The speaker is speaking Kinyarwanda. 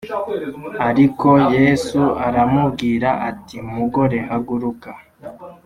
Ariko Yesu aramubwira ati mugore haguruka